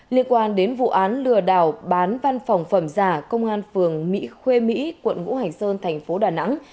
liên quan đến vụ án lừa đảo bán văn phòng phẩm giả công an phường mỹ khuê mỹ quận ngũ hành sơn thành phố đà nẵng